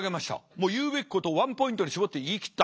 もう言うべきことをワンポイントに絞って言い切った。